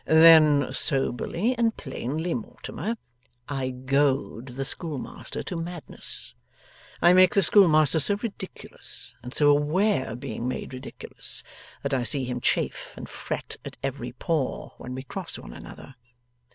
'Then soberly and plainly, Mortimer, I goad the schoolmaster to madness. I make the schoolmaster so ridiculous, and so aware of being made ridiculous, that I see him chafe and fret at every pore when we cross one another.